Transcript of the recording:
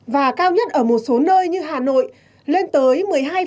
và cao nhất ở một số nơi như hà nội lên tới một mươi hai